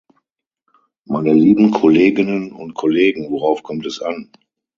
Meine lieben Kolleginnen und Kollegen, worauf kommt es an?